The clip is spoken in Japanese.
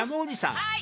はい。